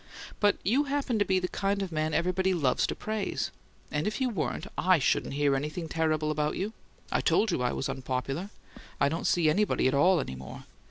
But you happen to be the kind of man everybody loves to praise. And if you weren't, I shouldn't hear anything terrible about you. I told you I was unpopular: I don't see anybody at all any more.